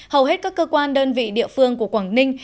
hầu hết các cơ quan đơn vị địa phương của quảng ninh